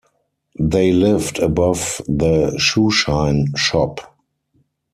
They lived above the shoeshine shop.